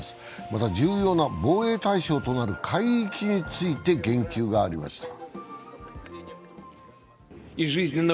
また、重要な防衛対象となる海域について言及がありました。